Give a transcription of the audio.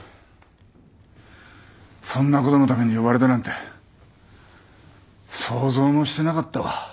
そんなことのために呼ばれたなんて想像もしてなかったわ。